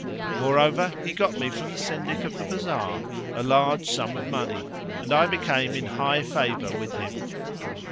Moreover, he got me from the Syndic of the bazar a large sum of money and I became in high favour with him.